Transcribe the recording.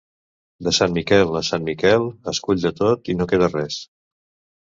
De Sant Miquel a Sant Miquel, es cull de tot i no queda res.